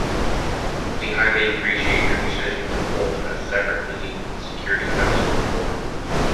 We highly appreciate Your decision to hold a separate meeting on Security Council reform.